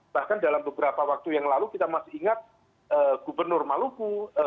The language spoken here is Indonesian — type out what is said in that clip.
bahkan dalam beberapa waktu yang lalu kita masih ingat gubernur maluku